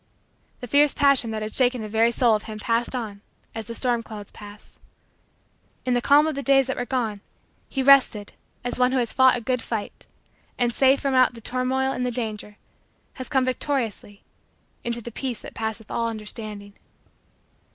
The fierce passion that had shaken the very soul of him passed on as the storm clouds pass. In the calm of the days that were gone, he rested as one who has fought a good fight and, safe from out the turmoil and the danger, has come victoriously into the peace that passeth all understanding.